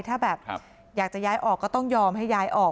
ถ้าแบบอยากจะย้ายออกก็ต้องยอมให้ย้ายออก